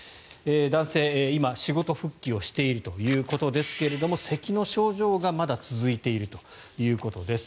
男性、今、仕事復帰をしているということですがせきの症状がまだ続いているということです。